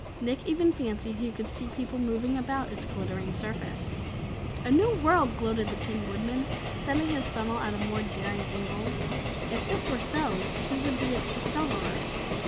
Nick even fancied he could see people moving about its glittering surface. "A new world!" gloated the Tin Woodman, setting his funnel at a more daring angle. If this were so, he would be its discoverer.